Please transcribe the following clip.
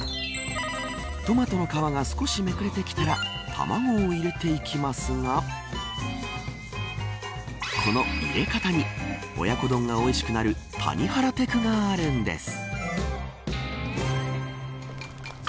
トマトの皮が少しめくれてきたら卵を入れていきますがこの入れ方に親子丼がおいしくなる谷原テクがあるんです。